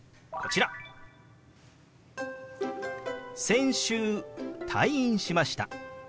「先週退院しました」。